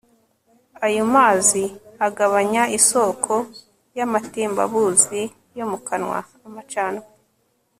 ayo mazi agabanya isoko y'amatembabuzi yo mu kanwa (amacandwe)